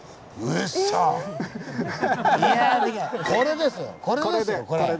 これですよこれ。